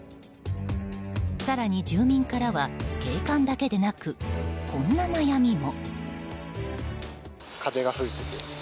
更に、住民からは景観だけでなくこんな悩みも。